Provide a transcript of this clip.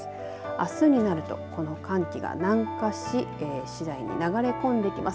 あすになると、この寒気が南下し次第に流れ込んできます。